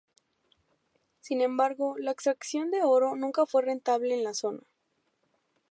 Sin embargo, la extracción de oro nunca fue rentable en la zona.